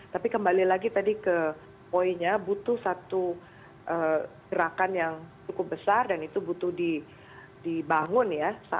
tapi kembali lagi tadi ke poinnya butuh satu gerakan yang cukup besar dan itu butuh dibangun ya